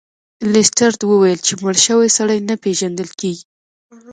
لیسټرډ وویل چې مړ شوی سړی نه پیژندل کیږي.